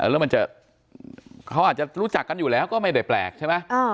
แล้วมันจะเขาอาจจะรู้จักกันอยู่แล้วก็ไม่ได้แปลกใช่ไหม